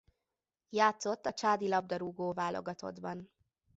Játszott a Csádi labdarúgó-válogatottban.